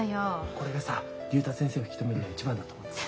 これがさ竜太先生を引き止めるのに一番だと思ってさ。